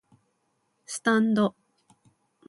スタンド